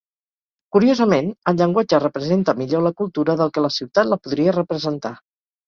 Curiosament, el llenguatge representa millor la cultura del que la ciutat la podria representar.